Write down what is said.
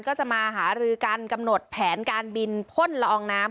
ก็จะมาหารือกันกำหนดแผนการบินพ่นละอองน้ำ